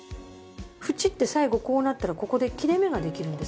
ふちって最後こうなったらここで切れ目ができるんですよ。